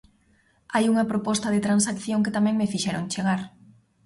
Hai unha proposta de transacción que tamén me fixeron chegar.